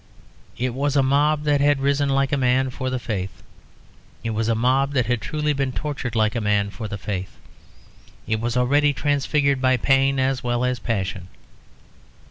It was a mob that had risen like a man for the faith. It was a mob that had truly been tortured like a man for the faith. It was already transfigured by pain as well as passion.